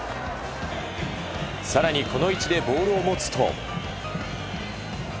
更にこの位置でボールを持つと。